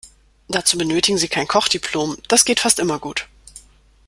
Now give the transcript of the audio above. Dazu benötigen Sie kein Kochdiplom, das geht fast immer gut.